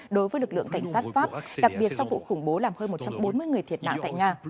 đối với lực lượng cảnh sát pháp đặc biệt sau vụ khủng bố làm hơn một trăm bốn mươi người thiệt mạng tại nga